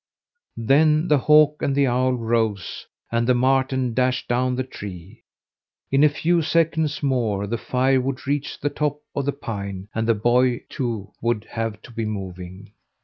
Then the hawk and the owl rose and the marten dashed down the tree. In a few seconds more the fire would reach the top of the pine, and the boy, too, would have to be moving.